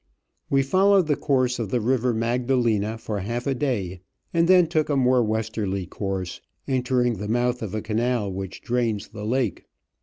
We followed the course of the river Magdalena for half a day, and then took a more westerly course, entering the mouth of a canal which drains the lake.